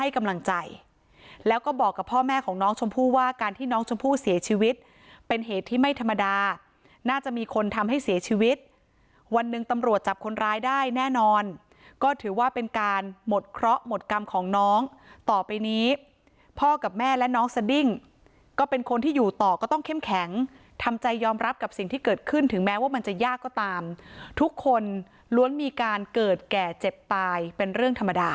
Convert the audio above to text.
กำลังใจแล้วก็บอกกับพ่อแม่ของน้องชมพู่ว่าการที่น้องชมพู่เสียชีวิตเป็นเหตุที่ไม่ธรรมดาน่าจะมีคนทำให้เสียชีวิตวันหนึ่งตำรวจจับคนร้ายได้แน่นอนก็ถือว่าเป็นการหมดเคราะห์หมดกรรมของน้องต่อไปนี้พ่อกับแม่และน้องสดิ้งก็เป็นคนที่อยู่ต่อก็ต้องเข้มแข็งทำใจยอมรับกับสิ่งที่เกิดขึ้นถึ